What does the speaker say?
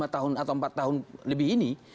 lima tahun atau empat tahun lebih ini